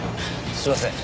すいません。